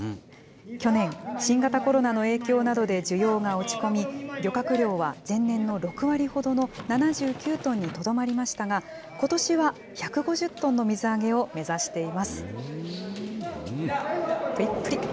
去年、新型コロナの影響などで需要が落ち込み、漁獲量は前年の６割ほどの７９トンにとどまりましたが、ことしは１５０トンの水揚げを目指しています。